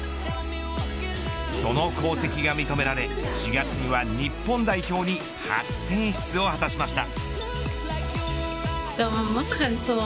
その功績が認められ４月には日本代表に初選出を果たしました。